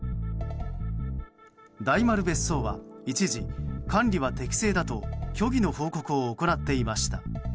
大丸別荘は一時、管理は適正だと虚偽の報告を行っていました。